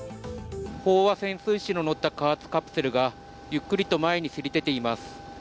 飽和潜水士の乗った加圧カプセルがゆっくりと前にせり出ています。